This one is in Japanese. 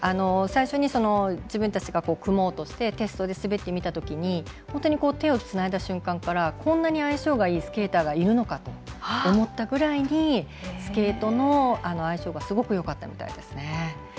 最初に、自分たちが組もうとしてテストで滑ってみたときに本当に手をつないだ瞬間からこんなに相性がいいスケーターがいるのかと思ったくらいスケートの相性がすごくよかったみたいですね。